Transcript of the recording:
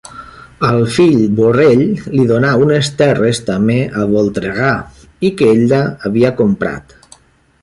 Al fill Borrell li donà unes terres també a Voltregà i que ella havia comprat.